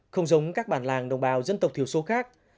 không giống các bản làng đồng bào dân tộc thiểu số khác